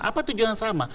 apa tujuan yang sama